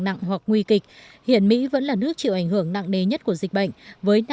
nặng hoặc nguy kịch hiện mỹ vẫn là nước chịu ảnh hưởng nặng đế nhất của dịch bệnh với năm năm trăm bảy mươi một trăm bốn mươi năm